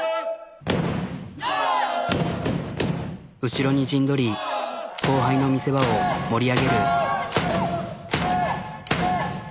後ろに陣取り後輩の見せ場を盛り上げる。